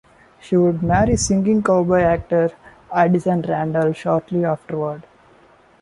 She would marry singing cowboy actor Addison Randall shortly afterward.